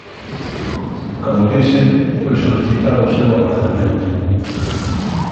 Como dixen, foi solicitado o seu aprazamento.